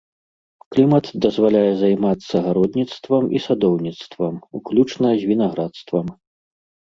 Клімат дазваляе займацца гародніцтвам і садоўніцтвам, уключна з вінаградарствам.